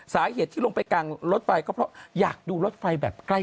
สาเหตุที่ลงไปกลางรถไฟก็เพราะอยากดูรถไฟแบบใกล้